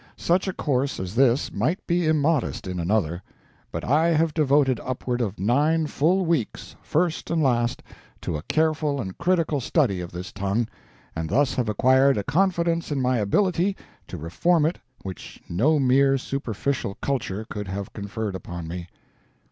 Such a course as this might be immodest in another; but I have devoted upward of nine full weeks, first and last, to a careful and critical study of this tongue, and thus have acquired a confidence in my ability to reform it which no mere superficial culture could have conferred upon me.